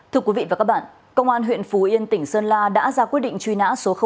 thưa quý vị và các bạn công an huyện phú yên tỉnh sơn la đã ra quyết định truy nã số một